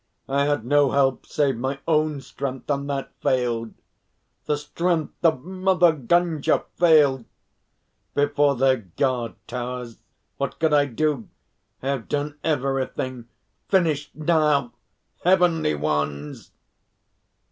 I had no help save my own strength, and that failed the strength of Mother Gunga failed before their guard towers. What could I do? I have done everything. Finish now, Heavenly Ones!"